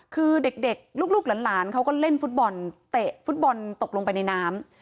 คือเด็กลูกหลานเขาก็เล่นฟุตบอลเตะฟุตบอลตกลงไปในน้ำ